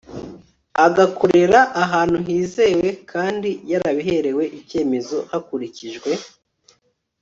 agakorera ahantu hizewe kandi yarabiherewe icyemezo hakurikijwe